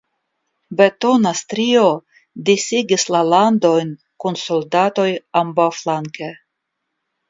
Betona strio disigas la landojn kun soldatoj ambaŭflanke.